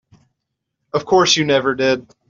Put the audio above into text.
Of course you never did.